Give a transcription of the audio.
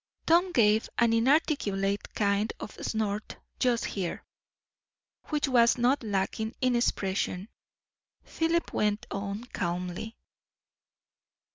Tom gave an inarticulate kind of snort just here, which was not lacking in expression. Philip went on calmly.